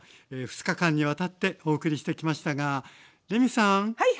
２日間にわたってお送りしてきましたがレミさん。